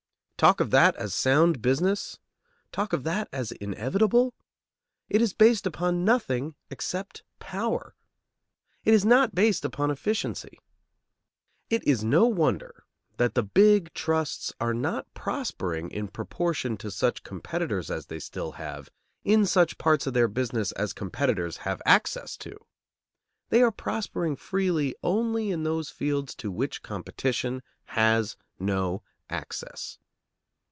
Talk of that as sound business? Talk of that as inevitable? It is based upon nothing except power. It is not based upon efficiency. It is no wonder that the big trusts are not prospering in proportion to such competitors as they still have in such parts of their business as competitors have access to; they are prospering freely only in those fields to which competition has no access.